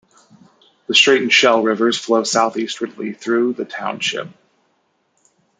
The Straight and Shell Rivers flow southeastwardly through the township.